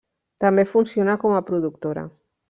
També funciona com a productora.